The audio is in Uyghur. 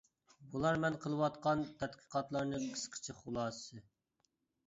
بۇلار مەن قىلىۋاتقان تەتقىقاتلارنى قىسقىچە خۇلاسىسى.